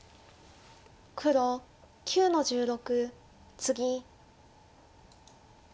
黒９の十六ツギ。